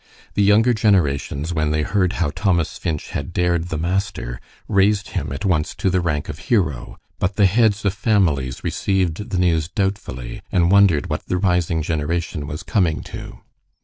The younger generations when they heard how Thomas Finch had dared the master, raised him at once to the rank of hero, but the heads of families received the news doubtfully, and wondered what the rising generation was coming to.